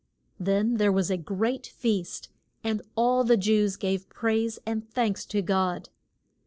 Then there was a great feast, and all the Jews gave praise and thanks to God.